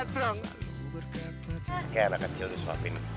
kayaknya anak kecil disuapin